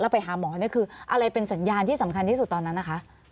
ไปหาหมอนี่คืออะไรเป็นสัญญาณที่สำคัญที่สุดตอนนั้นนะคะ